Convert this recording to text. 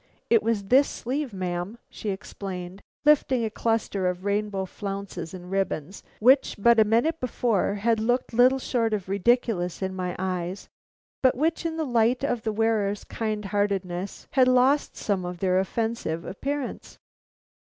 It was this sleeve, ma'am," she explained, lifting a cluster of rainbow flounces and ribbons which but a minute before had looked little short of ridiculous in my eyes, but which in the light of the wearer's kind heartedness had lost some of their offensive appearance.